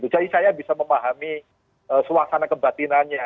jadi saya bisa memahami suasana kebatinannya